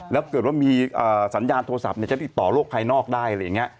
แล้วเกิดว่ามีสัญญาณโทรศัพท์จะติดต่อโรคภัยนอกได้